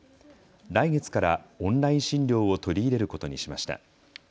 来月からオンライン診療を取り入れることにしました。